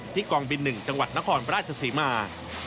ที่กองบินหนึ่งจังหวัดนครบราชศาสิมา